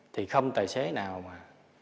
thì không tài xế nào mà